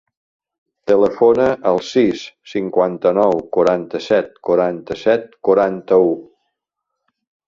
Telefona al sis, cinquanta-nou, quaranta-set, quaranta-set, quaranta-u.